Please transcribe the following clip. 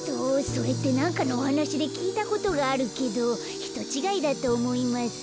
それってなんかのおはなしできいたことがあるけどひとちがいだとおもいます。